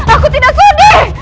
aku tidak sudi